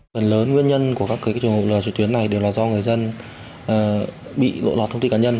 phần lớn nguyên nhân của các trường hợp lừa truyền tuyến này đều là do người dân bị lộ lọt thông tin cá nhân